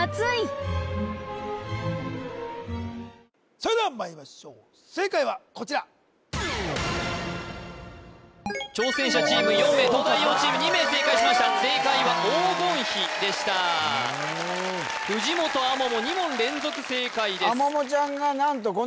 それではまいりましょう正解はこちら挑戦者チーム４名東大王チーム２名正解しました藤本亜桃２問連続正解です